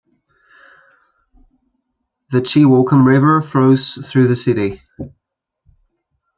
The Chewaucan River flows through the city.